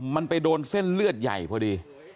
มันไปโดนเส้นเลือดใหญ่พอดี